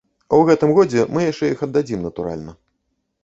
У гэтым годзе мы яшчэ іх аддадзім, натуральна.